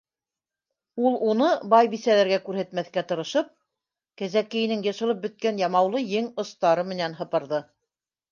Ул уны, бай-бисәләргә күрһәтмәҫкә тырышып, кәзәкейенең йышылып бөткән ямаулы ең остары менән һыпырҙы.